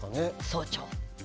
総長。